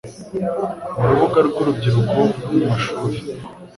mu rubuga rw'urubyiruko no mu mashuri,